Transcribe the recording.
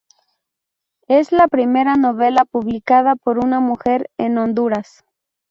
Es la primera novela publicada por una mujer en Honduras.